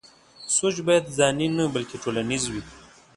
سوچ بايد ځاني نه بلکې ټولنيز وي.